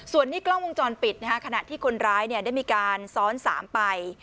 ส่วนนี้กล้องวงจรปิดนะคะขณะที่คนร้ายเนี่ยได้มีการซ้อนสามไป